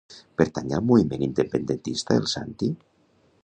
Pertany al moviment independentista el Santi?